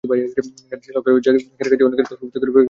গাড়িচালক জাকির কাজী অনেক তর্কবিতর্ক করে টিকিট কাটার পরই যেতে পারেন।